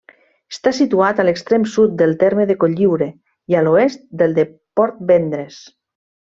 Està situat a l'extrem sud del terme de Cotlliure i a l'oest del de Portvendres.